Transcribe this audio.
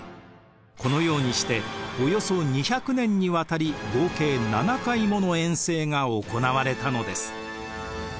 このようにしておよそ２００年にわたり合計７回もの遠征が行われたのです。